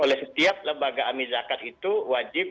oleh setiap lembaga amil zakat itu wajib di